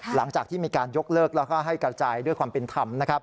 หลังจากที่มีการยกเลิกแล้วก็ให้กระจายด้วยความเป็นธรรมนะครับ